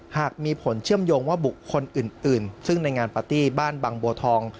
หากมีผลเชื่อมโยงว่าบุคคลอื่นซึ่งในงานปาร์ตี้บ้านบางบัวทอง